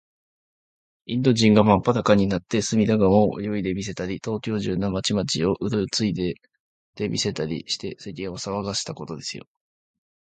インド人がまっぱだかになって、隅田川を泳いでみせたり、東京中の町々を、うろついてみせたりして、世間をさわがせたことですよ。